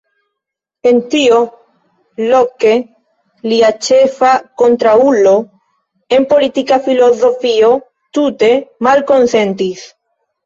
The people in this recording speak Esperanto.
En tio, Locke, lia ĉefa kontraŭulo en politika filozofio, tute malkonsentis.